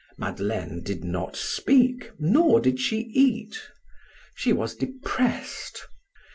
Madeleine did not speak nor did she eat; she was depressed.